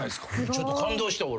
ちょっと感動した俺。